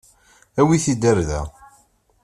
Awit-t-id ɣer da.